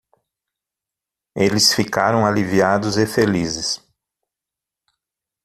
Eles ficaram aliviados e felizes.